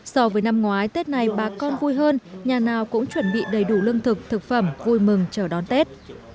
so với năm ngoái tết này bà con vui hơn nhà nào cũng chuẩn bị đầy đủ lương thực thực phẩm vui mừng chờ đón tết